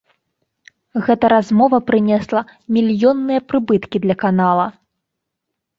Гэта размова прынесла мільённыя прыбыткі для канала.